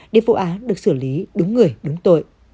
để vụ án được xử lý đúng người đúng tội